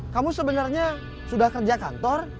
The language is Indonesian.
kamu sebenarnya sudah kerja kantor